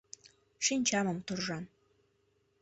Шинчамым туржам.